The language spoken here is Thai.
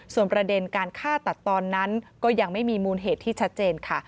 ส่วนประเด็นการฆ่าตัดตอนนั้นก็ยังไม่มีมูลเหตุที่ชัดเจนค่ะ